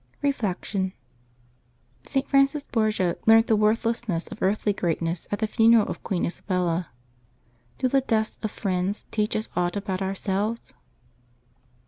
Reflection. — St. Francis Borgia learnt the worthlessness of earthly greatness at the funeral of Queen Isabella. Do the deaths of friends teach us aught about ourselves?